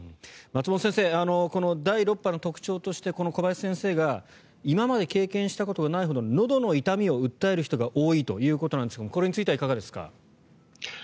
松本先生この第６波の特徴として小林先生が今まで経験したことがないほどののどの痛みを訴える人が多いということですがこれについてはいかがですか。